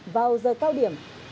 vào giờ cao điểm